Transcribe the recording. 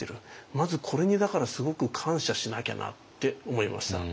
まずこれにだからすごく感謝しなきゃなって思いました。